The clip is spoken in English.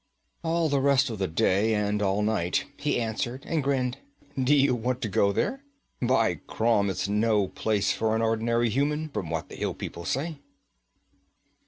'All the rest of the day, and all night,' he answered, and grinned. 'Do you want to go there? By Crom, it's no place for an ordinary human, from what the hill people say.'